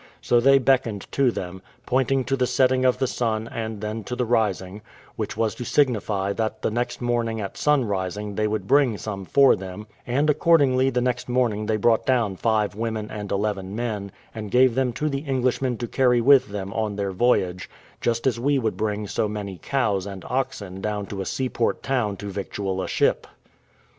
So they beckoned to them, pointing to the setting of the sun, and then to the rising; which was to signify that the next morning at sunrising they would bring some for them; and accordingly the next morning they brought down five women and eleven men, and gave them to the Englishmen to carry with them on their voyage, just as we would bring so many cows and oxen down to a seaport town to victual a ship.